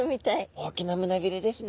大きな胸びれですね。